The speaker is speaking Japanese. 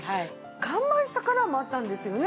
完売したカラーもあったんですよね。